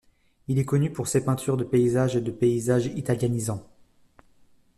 Il est connu pour ses peintures de paysages et de paysages italianisants.